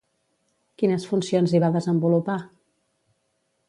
Quines funcions hi va desenvolupar?